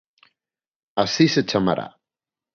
Así se chamará.